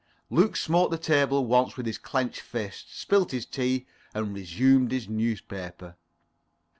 [Pg 20]Luke smote the table once with his clenched fist, spilt his tea, and resumed his newspaper.